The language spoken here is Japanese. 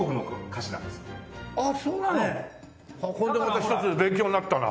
これでまた一つ勉強になったな。